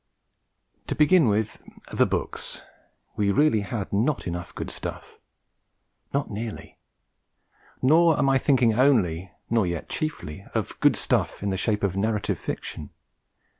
To begin with the books, we really had not enough Good Stuff. Not nearly! Nor am I thinking only, nor yet chiefly, of Good Stuff in the shape of narrative fiction.